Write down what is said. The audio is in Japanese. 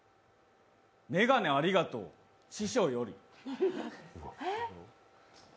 眼鏡ありがとう、師匠より。